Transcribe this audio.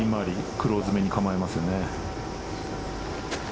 クローズめに構えますよね。